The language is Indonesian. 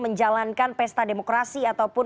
menjalankan pesta demokrasi ataupun